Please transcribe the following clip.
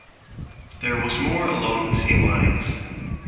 There was more along the same lines.